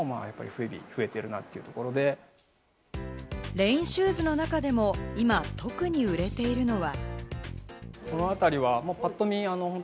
レインシューズの中でも今、特に売れているのは。